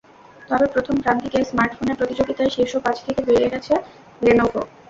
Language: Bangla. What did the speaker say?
তবে প্রথম প্রান্তিকে স্মার্টফোনের প্রতিযোগিতায় শীর্ষ পাঁচ থেকে বেরিয়ে গেছে লেনোভো।